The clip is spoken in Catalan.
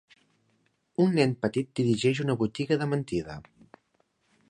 Un nen petit dirigeix una botiga de mentida.